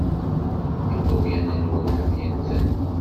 Imawlan-nwen ḥemmlen-ten.